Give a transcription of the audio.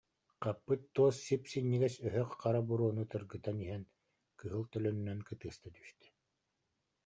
Хаппыт туос сип- синньигэс өһөх хара буруону тыргытан иһэн кыһыл төлөнүнэн кытыаста түстэ